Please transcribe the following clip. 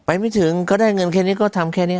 ไม่ถึงก็ได้เงินแค่นี้ก็ทำแค่นี้